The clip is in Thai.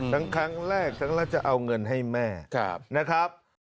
ครั้งแรกทั้งแล้วจะเอาเงินให้แม่นะครับ